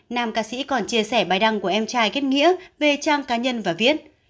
nam ca sĩ còn chia sẻ bài đăng của em trai kết nghĩa về trang cá nhân và viết